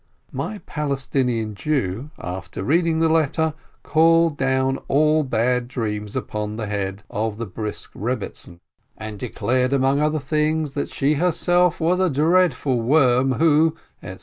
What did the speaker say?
My Palestinian Jew, after reading the letter, called down all bad dreams upon the head of the Brisk Reb EARTH OF PALESTINE 33 betzin, and declared among other things that she her self was a dreadful worm, who, etc.